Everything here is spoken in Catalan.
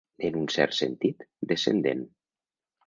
En un cert sentit, descendent.